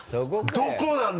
どこなんだ？